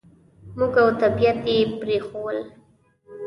موږ او طبعیت یې پرېښوول.